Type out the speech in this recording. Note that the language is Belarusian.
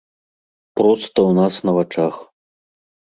Проста ў нас на вачах.